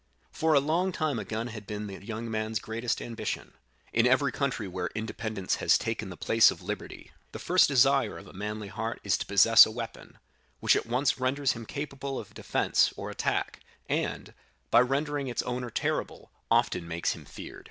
"For a long time a gun had been the young man's greatest ambition. In every country where independence has taken the place of liberty, the first desire of a manly heart is to possess a weapon, which at once renders him capable of defence or attack, and, by rendering its owner terrible, often makes him feared.